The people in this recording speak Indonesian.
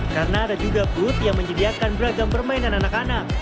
karena ada juga booth yang menyediakan beragam permainan anak anak